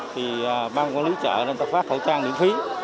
thì ban quản lý chợ nên tôi phát khẩu trang miễn phí